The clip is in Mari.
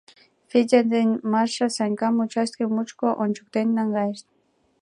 Федя ден Маша Санькам участке мучко ончыктен наҥгайышт.